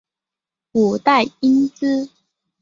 五代因之。